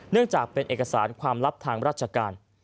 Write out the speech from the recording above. เนื่องจากเป็นเอกสารความลับทางราชการ